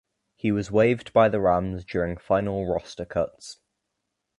He was waived by the Rams during final roster cuts.